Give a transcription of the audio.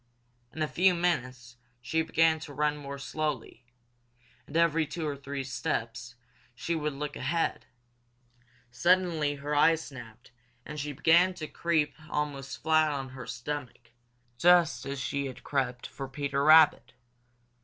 In a few minutes she began to run more slowly, and every two or three steps she would look ahead. Suddenly her eyes snapped, and she began to creep almost flat on her stomach, just as she had crept for Peter Rabbit.